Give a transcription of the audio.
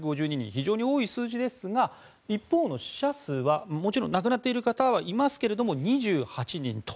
非常に多い数字ですが一方の死者数は、もちろん亡くなっている方はいますが２８人と。